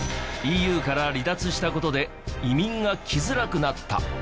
ＥＵから離脱した事で移民が来づらくなった。